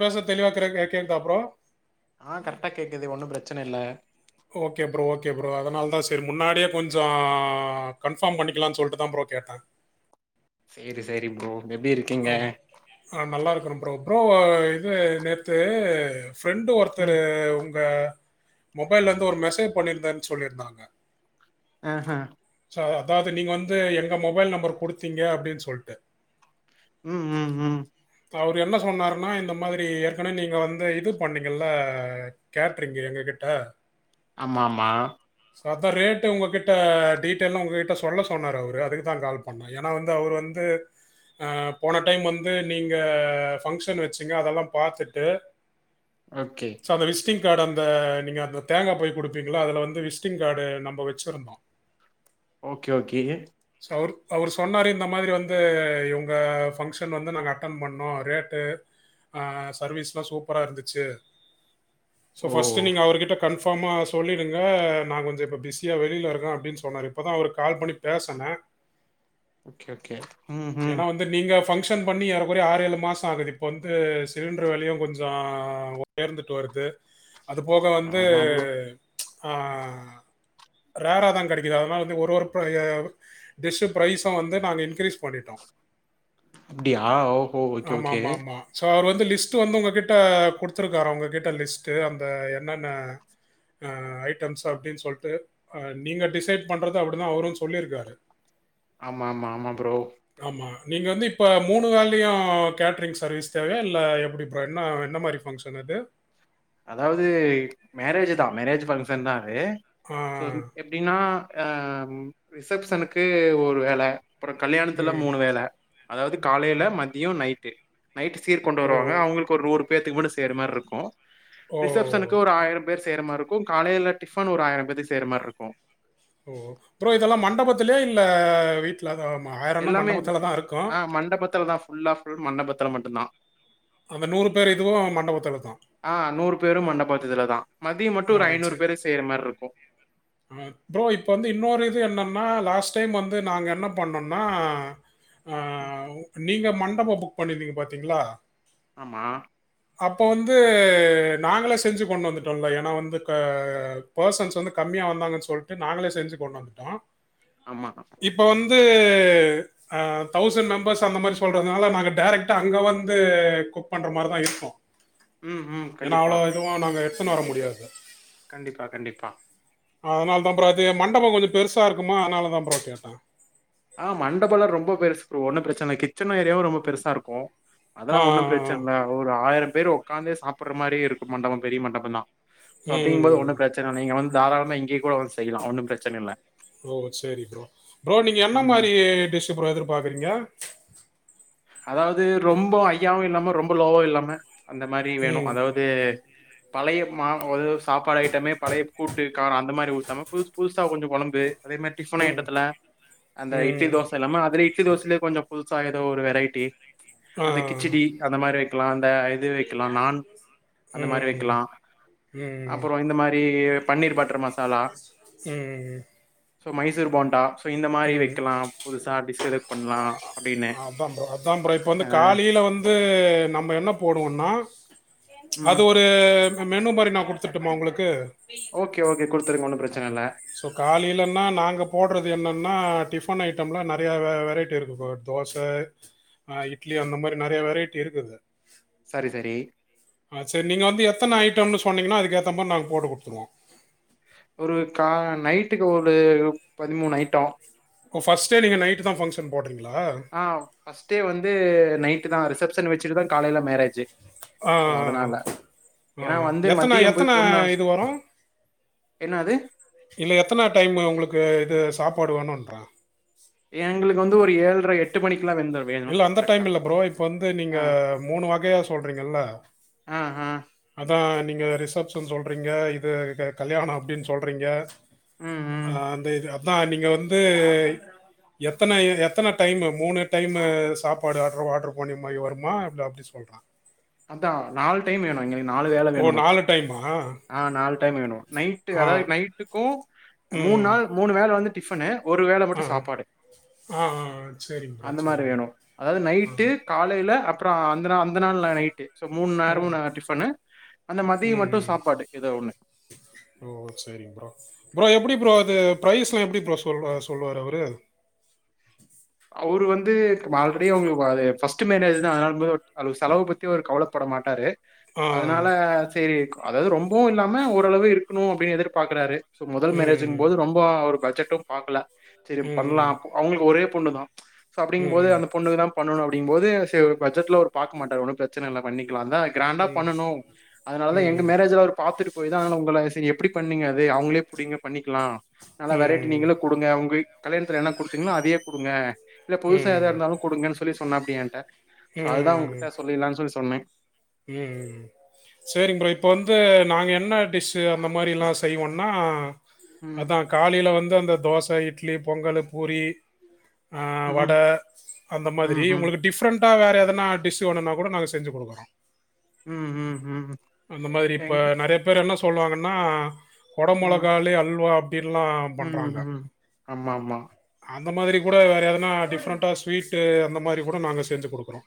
பேசரத் தெளிவா கேகே கேக்தா ப்ரோ ஆ கரெக்டா கேக்குத் ஒன்னு பிரச்சன இல்ல ஓகே ப்ரோ ஓகே ப்ரோ அதனால தான் செரி முன்னாடியே கொஞ்சம் கண் கன்ஃபாம் பண்ணிக்கலா சொல்ட்டுதா ப்ரோ கேட்ட சேரி சேரி ப்ரோ எப்டி இருக்கு ம் ஆ நல்லாருக்குரே ப்ரோ ப்ரோ இது நேத்து ஃப்ரெண்டு ஒருத்தரு ம் உங்க மொபைல்ல இருந்து ஒரு மெசேஜ் பண்ணிருந்தேன்னு சொல்லியிருந்தாங்க ஆ ஹா சோ அதாவது நீங்க வந்து எங்க மொபைல் நம்பர் குடுத்தீங்க அப்டின்னு சொல்லிட்டு ம் ம் ம் அவரு என்ன சொன்னாருன்னா இந்த மாத்ரி ஏற்கனவே நீங்க வந்து இது பண்ணீங்கல்ல கேட்றீங் எங்க கிட்ட ஆமா ஆமா சோ அதா ரேட்டு உங்ககிட்ட டீட்டெய்ல்னா உங்ககிட்ட சொல்ல சொன்னாரு அவரு அதுக் தான் கால் பண்ண ஏன்னா வந்து அவரு வந்து ஆ போன டைம் வந்து நீங்க ஃபங்க்ஷன் வச்சிங்க அதெல்லா பாத்துட்டு [inaudible] ஓகே ஸோ அந்த விசிட்டிங் கார்டு அந்த நீங்க அந்த தேங்கா பை குடுப்பீங்ல்ல அதுல வந்து விசிட்டிங் கார்டு நம்ப வச்சிருந்தோ ஓகே ஓகே சொ அவர் அவரு சொன்னாரு இந்த மாரி வந்து இவங்க ஃபங்க்ஷன் வந்து நாங்க அட்டன் பண்ணோ ரேட்டு ஆ சர்வீஸ்லா சூப்பரா இருந்துச்சு ஸோ ஓ ஃபஸ்ட்டு நீங்க அவருகிட்ட கன்ஃபார்மா சொல்லிடுங்க நான் கொஞ்சோ இப்ப பிஸியா வெளில இருக்கேன் அப்டின் சொன்னாரு இப்பதா அவருக் கால் பண்ணி பேசனே ஓகே ஓகே ம் ஹு ஏன்னா வந்து நீங்க ஃபங்ஷன் பண்ணி ஏறக்குறைய ஆறு ஏழு மாசம் ஆகுது இப்ப வந்து சிலிண்டர் வெலையு கொஞ்சோ உயர்ந்துட்டு வருது அது போக வந்து ஆமா ப்ரோ ம் ச் ஆ ரேராதா கெடைக்கிது அதனால ஒரு ஒரு ப்ரைய டிஷ்ஷு பிரைஸூ வந்து நாங்க இன்கிரீஸ் பண்ணிட்டோம் அப்டியா ஓஹோ ஓகே ஆமா ஓகே ஆமா ஆமா ஸோ அவர் வந்து லிஸ்ட்டு வந்து உங்க கிட்ட குடுத்துருக்காரா உங்க கிட்ட லிஸ்ட்டு அந்த என்னென்ன ஆ ஐட்டம்ஸ் அப்டின் சொல்ட்டு நீங்க டிசைட் பண்றது அப்டிதா வரு சொல்லிருக்காரு ஆமா ஆமா ஆமா ப்ரோ ஆமா நீங்க வந்து இப்ப மூணு வேலையு கேட்ரிங் சர்வீஸ் தேவயா இல்ல எப்டி ப்ரோ என்னா என்ன மாரி ஃபங் ங்ஷன் அது அதாவது மேரேஜ் தா மேரேஜ் ஃபங்க்ஷன் தா அது ஆ. அப்டினா அ ரிசப்ஷனுக்கு ஒரு வேல அப்பறோ கல்யாணத்துல ம். மூணு வேல அதாவது காலைல மத்யோ நைட்டு நைட்டு சீர் கொண்டு ஓ! வருவாங்க அவுங்களுக்கு ஒரு நூறு பேத்துக்கு மட்டு செய்ற மார் ருக்கு ஓ! ரிசப்ஷனுக்கு ஒரு ஆயிர பேர் செய்ற மார் ருக்கு காலைல டிஃபன் ஒரு ஆயிர பேத்துக் செய்ற மார் ருக்கு ஓ ப்ரோ இதெல்லா மண்டபத்திலயே இல்ல வீட்டில தா மா வேற என்ன மண்டபத்தில தா இருக்கு மண்டபத்தில தா ஃப் ஃபுல்லா ஃபுல் மண்டபத்துல மட்டுந்தா அந்த நூறு பேர் இதுவு மண்டபத்தில தா ஆ நூறு பேரு மண்டபத்திதுல தா மதியோ மட்டு ஆ ஒரு ஐநூறு பேரு செய்யற மார் ருக்கு ம் ப்ரோ இப்போ வந்து இன்னொரு இது என்னன்னா லாஸ்ட் டைம் வந்து நாங்க என்ன பண்ணன்னா உஹ் நீங்க மண்டபோ புக் பண்ணிருந்தீங்க பாத்தீங்ளா ஆமா அப்போ வந்து நாங்களா செஞ்சு கொண்டு வந்துட்டோல்ல எப் நா வந்து க பெர்சன்ஸ் வந்து கம்மியா வந்தாங்கன் சொல்டு நாங்களே செஞ்சி கொண்டு வன்ட்டோ ஆம்மா இப்ப வந்து ஆ தௌசண்ட் மெம்பர்ஸ் அந்த மாரி சொல்றத்னால நாங்க டேரெக்டா அங்க வந்து குக் பண்ற மாரிதா இருக்கு ம், ம். ஏன்னா கண்டிப்பா, அவ்ளோ இதுவா நாங்க எடுத்துன் வர முடியாது கண்டிப்பா கண்டிப்பா அதனால்தா ப்ரோ அது மண்டபோ கொஞ்சொ பெருசா இருக்குமா அதனால தா ப்ரோ கேட்ட ஆ மண்டபலா ரொம்ப பெருசு ப்ரோ ஒன்னு பிரச்சன இல் கிச்சன்னு ஏரியாவு ரொம்ப பெருசா இருக்கு ஆ, அதெல்லா ஒன்னு ஆ. பிரச்சன் இல்ல ஒரு ஆயிரம் பேர் உட்காந்தே சாப்பிட்ற மாரியே இருக்கு மண்டபோ பெரிய மண்டபந்தா சோ அப்டிங்கும் போது ம். ஒன்னு பிரச்சன் இல் நீங்க வந்து தாராளம்மா இங்கயே கூட வந்து செய்யலா ஒன்னு பிரச்சனை இல்ல ஓ சேரி ப்ரோ ப்ரோ நீங்க என்ன ம். மாரி டிஷு ப்ரோ எதிர்பார்க்கறீங்க அதாவது ரொம்ப ஐயாவு இல்லாம ரொம்ப லோவா இல்லாம அந்த மாரி வேணு ம். அதாவது பழைய மா [unintelligible] சாப்பாடு ஐட்டமே பழைய கூட்டு காரோ அந்த மாரி ஊத்தாம புதுசு புதுசா கொஞ்சோ கொழம்பு அதே மேர் டிஃபன் ம். ஐட்டத்துல அந்த இட்லி ம். தோச இல்லாமாதிரி இட்லி தோசலியே கொஞ்சோ புதுசா ஏதோ ஒரு ரைட்டு அந்த ஆ. கிச்சடி அந்த மாரி வெக்கலா அந்த ஐ து வெக்கலா நான் அந்த மாரி ம் வெக்கலா அப்பறோ இந்த மாரி பன்னீர் பட்டர் மஸ் ம் ம் ம் சோ மைசூர் போண்டா சோ இந்த மாரி ம் வெக்கலா புதுசா டிஸ் எதாவ் பண்லா அப்டின்னு அதா ப்ரோ அதா ப்ரோ இப்ப ஆ வந்து காலையில வந்து நம்ம என்ன போடுவோன்னா அது ம் ஒரு மெனு மாரி நா குடுத்துர்டுமா உங்குளுக்கு ஓகே ஓகே குடுத்துருங்க ஒன்னு பிரச்சன இல்ல ஸோ காலேலன்னா நாங்க போடுறது என்னென்னா டிஃபன் ஐட்டம்ல நெறையா வெ வெரைட்டி இருக்குப்போ தோச ஆ இட்லி அந்த மாரி நிறைய வெரைட்டி இருக்குது சரி சரி ஆ சரி நீங்க வந்து எத்தன ஐட்டம்ன்னு சொன்னீங்கன்னா அதுக்க ஏத்த மாரி நாங்க போட்டு கொடுத்துவோம் ஒரு கா நைட்டுக்கு ஒரு பதிமூணு ஐட்டம் ஓ ஃபர்ஸ்ட்டே நீங்க நைட்டு தா ஃபங்ஷன் போடுறீங்களா ஆ ஃபர்ஸ்ட்டே வந்து நைட்டு தா ரிசப்ஷன் வச்சுட்டு தா காலையில மேரேஜ் ஆ சோ ஆ அதனால ஆ ஏன்னா வந்து எத்தன மத்தியம் போய் எத்தன பொண்ணு அழைச்ச இது வரு என்ன அது இல்ல எத்தன டைம் உங்களுக்கு இது சாப்பாடு வேணும்ன்ற எங்களுக்கு வந்து ஒரு ஏழுரை எட்டு எட்டு மண்ணிக்கலாம் வெந்த வேனு இல்ல அந்த டைம் இல்ல ப்ரோ இப்போ வந்து நீங்க மூணு வகையா சொல்றீங்கல ம் ம் அதான் நீங்க ரிசப்ஷன் சொல்றீங்க இது கல்யாணம் அப்படின் சொல்றீங்க உம் ஆ அந்த இது அதான் நீங்க வந்து எத்தன எத்தனை டைம்மு மூணு டைமு சாப்பாடு ஆர்டரு ஆர்ட்ரு பண்ணி மாதிரி வருமா இ அப்படி சொல்றான் அதான் நாலு டைம் வேணும் எங்களுக்கு நாலு வேல ஓ! வேணும் மொத்தம் டைமா? ஆ நாலு டைம் வேணும் நைட்டு ஆ. அதாவது நைட் டுக்கும் மூணு ம். நாள் மூணு வேல வந்து டிஃபனு ஒரு வேல ஆ. மட்டும் சாப்பாடு ஆ, ஆ. சரிங்க ப்ரோ அந்த மாதிரி சரிங்க ப்ரோ. வேணும் அதாவது நைட்டு காலையில அப்புறம் அந்த அந்த நாள்ல நைட் சோ மூணு ம். நேரமும் நாங்க டிஃபன்னு அந்த மதியம் மட்டும் ம். சாப்பாடு ஏதோ ஒண்ணு ஓ சேரி ப்ரோ எப்படி ப்ரோ அது பிரரைஸ்லாம் எப்படி ப்ரோ சொல்லு சொல்லுவாரு அவரு அவரு வந்து ஆல்ரெடி அவுங்களுக்கு அது ஃபர்ஸ்ட்டு மேரேஜ் தா அதனாலக்கு செலவ பத்தி அவர் கவலப்பட மாட்டாரு ஆ அதனால சேரி அதாவது ரொம்பவும் இல்லாம ஓரளவு இருக்கணும் அப்படின் எதிர்பாக்குறாரு சோ முதல் மேரேஜுங்க ம் போது ரொம்ப ஒரு பட்ஜெட்டும் பாக்கல சரி ம் ம் பண்ணலாம் அவுங்களுக்கு ஒரே பொண்ணு தா அப்படிங்கும்போது ம் அந்த பொண்ணுக்கு தா பண்ணணும் அப்படிங்கும் போது சேரி பட்ஜெட்டில்லா அவரு பாக்க மாட்டாரு ஒன்னும் பிரச்சன இல்ல பண்ணிக்கலாம் தா கிரண்டா ம் பண்ணனும் அதனால தான் எங்க மேரேஜ்ல அவர் பாத்துட்டு போய் தா உங்கள சரி எப்படி பண்ணீங்க அது அவுங்களே புடிங்க பண்ணிக்கலாம் நல்லா வெரைட்டி ம் நீங்களும் குடுங்க உங்க கல்யாணத்தில என்ன குடுத்தீங்களோ அதையே குடுங்க இல்ல புதுசா ஏதா ம் இருந்தாலும் குடுங்கன் சொல்லி சொன்னாப்டி என்கிட்ட சோ அதுதான் உங்ககிட்ட சொல்லிரலின்னு சொல்லி சொன்னேன் உம் உம் உம் சேரிங்க ப்ரோ இப்போ வந்து நாங்க என்ன டிஷ் அந்த மாதிரிலாம் செய்வோன்னா ம். அதான் காலையில வந்து அந்த தோசை இட்லி பொங்கலு பூரி ஆ ம். வடை அந்த மாதிரி ம்ஹும் உங்களுக்கு டிஃப்ரண்டா வேறு எதனா டிஸ் வேனுன்னா கூட நாங்க செஞ்சு குடுக்குறோம் ம் ம் ம் அந்த மாதிரி இப்ப எங் நிறைய பேர் என்ன சொல்லுவாங்கன்னா குட ம் மிளகாய்லயே அல்வா அப்படின்ல்லாம் ம் பண்றாங்க ம் ஆமா ஆமா அந்த மாதிரி கூட வேற எதனா டிஃப்ரெண்ட்டா ஸ்வீட்டு அந்த மாதிரி கூட நாங்க செஞ்சு குடுக்குறோம்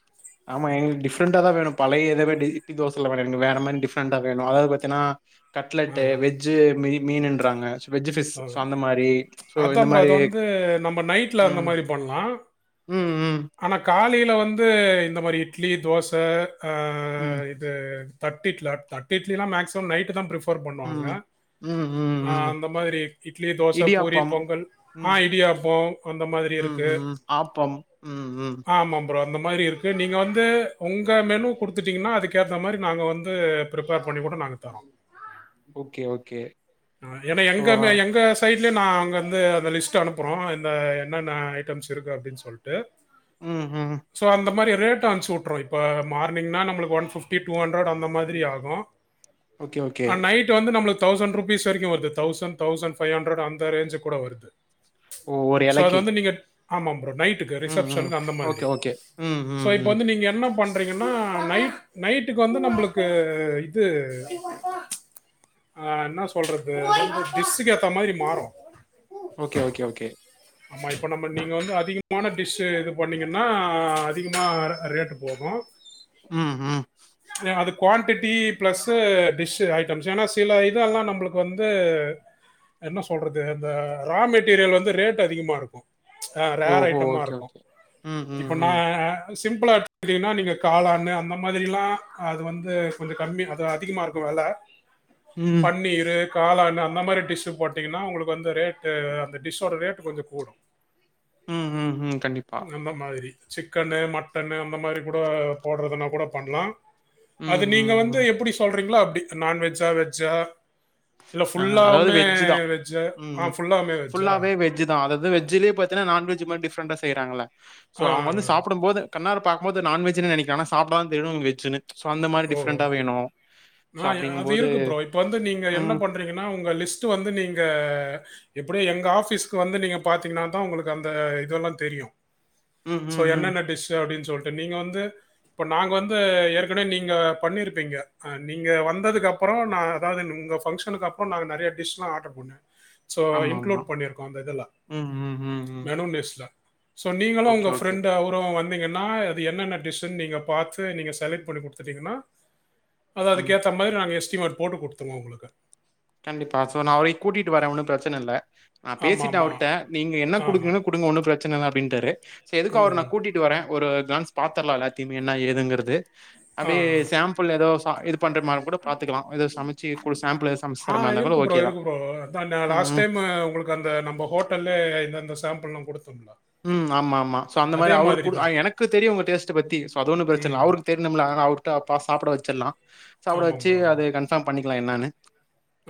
ஆமா எங்களுக்கு டிஃப்ரண்டா தான் வேணும் பழைய இது மாரி இட்லி தோசல்ல வேணாம் எங்களுக்கு வேற மாதிரி டிஃப்ரெண்டா வேணும் அதாவது பாத்தீன்னா கட்லெட்டு வெஜ் மீ மீனுன்றாங்க வெஜ் ஃபிஷ் சோ அந்த மாரி சோ இந்த அதான் ப்ரோ மாரி அது வந்து நம்ம நைட்ல அந்த ம் மாதிரி பண்ணலாம் ம் ம் [inaudible] ஆனா காலைல வந்து இந்த மாரி இட்லி தோச அ ம் இது தட் இட்ல தட்டு இட்லிலா மேக்ஸ்மம் நைட்டு தா ப்ரிஃபர் பண்ணுவாங்க ம் ம் ம் ம் இந்த மாதிரி இட்லி தோச பூரி இடியாப்பம் பொங்கல் ஆ ம் இடியாப்பொ அந்த மாதிரி ம் இருக்கு ம் ஆப்பம் ம் ம் ஆமா ஆம ப்ரோ அந்த மாதிரி இருக்கு நீங்க வந்து உங்க மெனு கொடுத்துட்டீங்கனா அதுக்கேத்த மாரி நாங்க வந்து பிரிப்பேர் பண்ணி கூட நாங்க தரோ ஓகே ஓகே அ ஏனா சோ எங்கண்ணே எங்க சைட்லயு நா அங்க இந்து அந்த லிஸ்ட் அனுப்புறோ இந்த என்னன்ன ஐட்டம்ஸ் இருக்கு அப்டின் சொல்ட்டு ம் ம் ஸோ அந்த மாரி ரேட் அம்ச்சு வி்ட்றோ இப்ப மார்னிங்னா நம்ளுக்கு ஒன் ஃபிப்டி டூ ஹண்ட்ரட் அந்த மாதிரி ஆகு ஓகே ஓகே ஆ நைட் வந்து நம்மளுக் தௌசண்ட் ருப் பிஷ் வருது தௌசண்ட் தௌசண்ட் ஃபை ஹண்ட்ரட் அந்த ரேஞ்ச் கூட வருது ஓ ஒரு சோ அது எலைக்கு வந்து நீங்க ஆமாம் ப்ரோ நைட் டுக்கு ம், ம். ரிசப்ஷன் அந்த ஓகே, மாதிரி ஓகே. ம், சோ ம், இப்ப ம். வந்து நீங்க என்ன பண் றிங்கன்னா நைட் நைட்டுக்கு வந்து நம்பளுக்கு இது ஆ என்னா சொல்றது வந்து டிஸ்சுக்கு ஏத்த மாதுரி மாறு ஓகே ஓகே ஓகே ஆமா இப்போ நம்ம நீங்க வந்து அதிகமான டிஷ்ஷு இது பண்ணிங்கனா அதிகமா ரேட்டு போகு [inaudible] ம் ம் அது குவான்டிட்டி பிளஸ்ஸு டிஷ்ஷு ஐட்டம்ஸ் ஏனா சில இதெல்லா நம்ப்ளுக் வந்து என்ன சொல்றது இந்த ரா மெட்டீரியல் வந்து ரேட் அதிகமா இருக்கு அ ரேர் ஓஹோ! ஐட்டமா ஓகே, இருக்கு ஓகே. ம், ம், இப்ப நா ம். அ சிம்ப்ளா எடுத்துகிட்டிங்னா நீங்க காளானு அந்த மாதுரிலா அது வந்து கொஞ்சொ கம்மி அது அதிகமா இருக்கு வெல [inaudible] ம் பன்னீரு காளானு அந்த மாரி டிஷ்ஷு போட்டிங்கனா ஒங்ளுக்கு வந்து ரேட்டு அந்த டிஷ்ஷோட ரேட்டு கொஞ்சொ கூடு ம், ம், ம். கண்டிப்பா. அந்த மாதிரி சிக்கன்னு மட்டன்னு அந்த மாதிரி கூட போட்றதுனா கூட பண்லா ம், அது நீங்க ம், வந்து ம். எப்புடி சொல்றிங்ளோ அப்டி நான்வெஜ்ஜா வெஜ்ஜா இல்லை அ அதாவது ஃபுல்லாகவுமே வெஜ்ஜு தா வெஜ்ஜா ம் ஆ ம் ஃபுல்லாகவுமே வெஜ்ஜா ஃபுல்லாவே வெஜ் ஜு தா அதாது வெஜ்லே பாத்தின்னா நான்வெஜ் மாரி டிஃப்ரண்டா செய்ராங்கல்ல சோ ஆ அவ வந்து சாப்புடும்போது கண்ணார பாக்ம்போது நான்வெஜ்னே நெனக்க ஆனா சாப்டாதா தெரியு வெஜ்ஜுனு சோ அந்த மாறி ஓ டிஃப்ரெண்டா வேணு சோ ஆ அப்டிங்கும் போது ம் நா ஒங்க லிஸ்ட்டு வந்து நீங்க இப்டியே எங்க ஆஃபீஸ்க்கு வந்து நீங்க பாத்திங்னாதா ஒங்களுக்கு அந்த இதெல்லா தெரியு ம், சோ ம், ம். என்னென்ன டிஸ்ஸு அப்டினு சொல்ட்டு நீங்க வந்து இப்ப நாங்க வந்து ஏற்கனவே நீ ங்க பண்ணிருப்பீங்க நீங்க வந்ததுக்கு அப்பறோ நா அதாது உங்க பங்ஷனுக்கு அப்றோ நாங்க நெறையா டிஷ்லா ஆர்டர் பண்ணோ சோ ஆமாமா. இன்க்ளூட் பண்ணிருக்கோ அந்த இதெல்ல ம், ம், ம், ம். மெனு மெஸ்ல சோ நீங்களு ஓகே, உங்க ஓகே. ஃப்ரெண்டு அவ்ரு வந்திங்கன்னா அது என்னென்ன டிஷ்ஷுன் நீங்க பாத்து நீங்க செலக்ட் பண்ணி குடு துட்டீங்கன்னா அது ம். அதுக்கேத்த மாரி நாங்க எஸ்ட்டிமேட் போட்டு குட்த்துருவோ உங்களுக்கு கண்டிப்பா சோ நாளைக் கூட்டிட்டு வரே ஒன்னு பிரச்சன இல்ல நா ஆமாம் பேசிட்டே ஆமாம் அவர்ட்ட நீங்க என்ன ஆ குடுக்ரீங்ளோ குடு குடுங்க ஒன்னு பிரச்சனில்ல அப்டின்ட்டாரு சே எதுக்கு அவர நா ம் கூட்டிட் டு வரே ஒரு கான்ஸ் பாத்தர்லா எல்லாத்தையுமே என்ன ஏதுங்கிறது அப்டியே ஆ சேம்ப் பிள் எதோ ச இது பண்ற மார கூட பாத்துக்கலா எதோ சமச்சி கூல் சேம்ப்பிளு சம்ஸ் ஆ இருக்கு ப்ரோ இருக்கு ப்ரோ அதா ந்த லாஸ்ட் ம். டைமு உங்களு க் அந்த நம்ம ஹோட்டல்லே இந்தந்த சேம்பிள்னு குடுத்தம்ல்லா ம் ஆமா ஆமா சோ அந்த மார அவருக் குடு ஐ தான். எனக்கு தெரியு உங்க டேஸ்ட்டு பத்தி சோ அது ஒன்னு பிரச்சனில ம். அவுருக் தெர்னுமில்ல அதனா அவுர்ட்ட பா சாப்பிட வெச்சர்லா சாப்பிட ஆமா வெச்சி ப்ரோ, ஆமா அது ப்ரோ. கன்ஃபாம் பண்ணிக்கலா என்னானு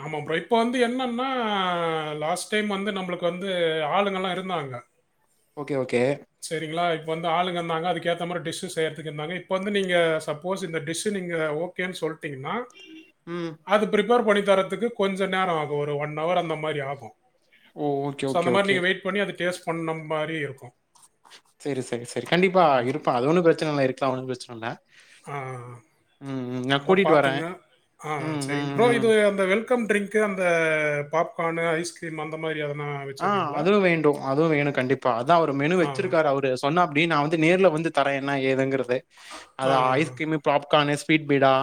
ஆமா ப்ரோ இப்ப வந்து என்னன்னா லாஸ்ட் டைம் வந்து நம்பளுக் வந்து ஆளுங்கல்லா இருந்தாங்க ஓகே ஓகே செரிங்ளா இப்போ வந்து ஆளுங்க இர்ந்தாங்க அதுக்கேத்த மாரி டிஷ்ஷு செய்யறத்துக் இர்ந்தாங்க இப்போ வந்து நீங்க சப்போஸ் இந்த டிஷ்ஷு நீங்க ஓ கேன் சொல்ட்டீங்கன்னா ம் அது ப்ரிப்பேர் பண்ணி தரத்துக்கு கொஞ்ச நேரோ ஆகு ஒரு ஒன்னவர் அந்த மாரி ஆகு ஓ! ஓகே, சோ ஓகே, அந்த மாரி ஓகே. நீங்க வெய்ட் பண்ணி அது டேஸ்ட் பண்ண மாரி இருக்கு சேரி சேரி சேரி கண்டிப்பா இருப்பாங் அதுல ஒன்னு பிரச்சனில்ல இருக்கலா ஒன்னு பிரச்சனில்ல ம் ம் [unintelligible] ப பாத்துக்ங்க ஆ ம், செரிங் ம், ப்ரோ ம். இது அந்த வெல்கம் ட்ரிங்க்கு அந்த பாப்கானு, ஐஸ்கிரீம் அந்த மாரி எதுனா ஆ அதுவு வேண்டு அதுவு வேணு கண்டிப்பா அதா அவுரு மெனு ஆ. வெச்சிருக்காரு அவுரு சொன்னாப்டி நா வந்து நேர்ல வந்து தரே என்னா ஏதுங்கிறது அது ஆ. ஐஸ்கிரீமு பாப்கானு, ஸ்வீட் பீடா,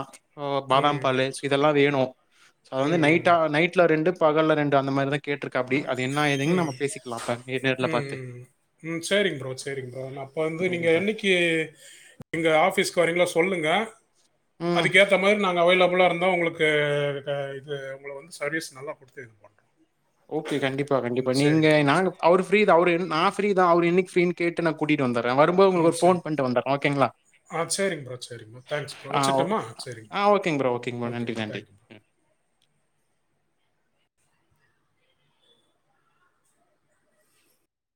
ஓ பாதாம் ம். பாலு இதெல்லா வேணு சோ அது வந்து ம். நைட்டா ம். நைட்ல ரெண்டு பகல்ல ரெண்டு அந்த மாரிதா கேட்ருக்காப்டி ம்ம் பார்த்து. ம்ம்ம் ம் சேரிங் ப்ரோ சேரிங் ப்ரோ நா இப்ப வந்து சரிங்க நீங்க சார். என்னிக்கி எங்க‌ ஆஃபீஸ்க் வரீங்களோ சொல்லுங்க ம். அதுக்கேத்த மாரி நாங்க அவைலபுளாருந்தா உங்களுக் கு இத இது உங்கள வந்து சர்வீஸ் நல்லா குடுத்து இது பண் ஓகே கண்டிப்பா கண்டிப்பா நீங்க சரிங்க ப்ரோ, நாங்க சரி. அவுரு ஃப்ரீ தா அவுரு நா ஃப்ரீ தா அவுரு என்னிக்கி ஃப்ரீனு கேட்டு நா கூட்டிட்டு வந்தட்றே வரும்போது உங்களுக்கு ம். ஒரு சரி. ஃபோன் பண்ட்டு வந்தட்றே ஓகேங்ளா ஆ சரிங்க ப்ரோ, சரிங்க ப்ரோ. Thanks bro. ஆ ஓ வச்சுரட்டுமா? சரிங்க ஆ ஓகேங் ப்ரோ ஓகேங் ப்ரோ ஓகே நன்றி நன்றி தேங்க் யூ ப்ரோ.